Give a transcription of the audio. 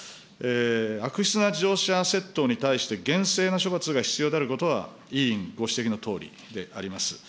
悪質な自動車窃盗に対して厳正な処罰が必要であることは、委員ご指摘のとおりであります。